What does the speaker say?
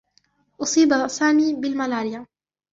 أُصيب سامي بالمالاريا.